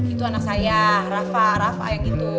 itu anak saya rafa rafa yang gitu